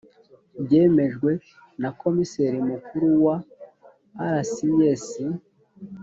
byemejwe na komiseri mukuru wa rcs